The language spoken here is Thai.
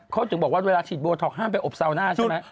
เขาถึงบอกว่าเวลาฉีดโบท็อกห้ามไปอบซาวน่าใช่ไหม